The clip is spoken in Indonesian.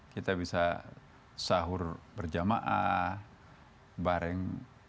kita bisa sahur berjamaah bareng